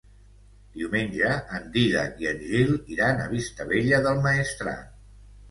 Diumenge en Dídac i en Gil iran a Vistabella del Maestrat.